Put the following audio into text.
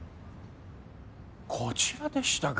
こちらでしたか。